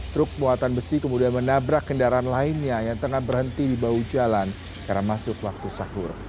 truk muatan besi kemudian menabrak kendaraan lainnya yang tengah berhenti di bahu jalan karena masuk waktu sahur